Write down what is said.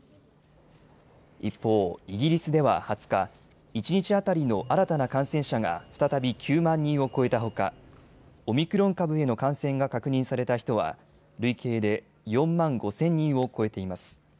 一方、イギリスでは２０日、一日当たりの新たな感染者が再び９万人を超えたほかオミクロン株への感染が確認された人は累計で４万５０００人を超えています。